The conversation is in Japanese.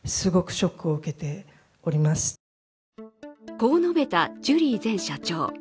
こう述べたジュリー前社長。